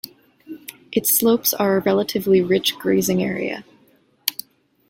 Its slopes are a relatively rich grazing area.